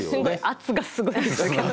圧がすごいんですけど。